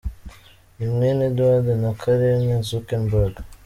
Ni mwene Edward na Karen Zuckerberg.